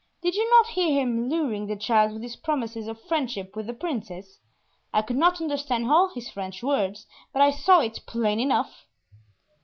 Did you not hear him luring the child with his promises of friendship with the Princes? I could not understand all his French words, but I saw it plain enough."